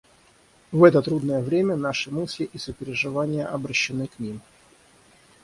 В это трудное время наши мысли и сопереживания обращены к ним.